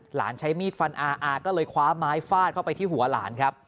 ใช้มีดฟันอาอาก็เลยคว้าไม้ฟาดเข้าไปที่หัวหลานครับ